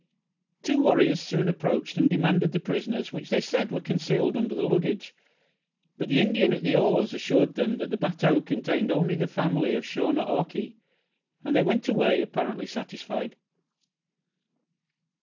Two warriors soon approached and demanded the prisoners which they said were concealed under the luggage, but the Indian at the oars assured them that the bateau contained only the family of Shaw ne aw kee, and they went away apparently satisfied.